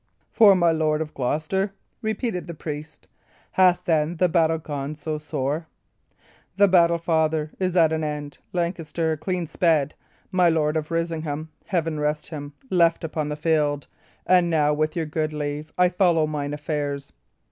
"For my Lord of Gloucester?" repeated the priest. "Hath, then, the battle gone so sore?" "The battle, father, is at an end, Lancaster clean sped, my Lord of Risingham Heaven rest him! left upon the field. And now, with your good leave, I follow mine affairs."